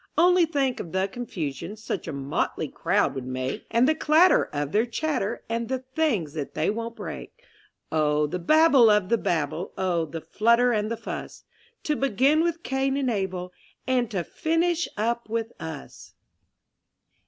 Only think of the confusion Such a motley crowd would make; And the clatter of their chatter, And the things that they won't break Oh the babble of the Babel! Oh, the flutter and the fuss; To begin with Cain and Abel, And to finish up with us!